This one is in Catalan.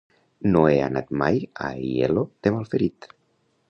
No he anat mai a Aielo de Malferit.